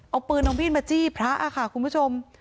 เอาปืนเอามีดมาจี้พระค่ะคุณผู้ชม